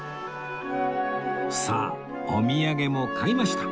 さあお土産も買いました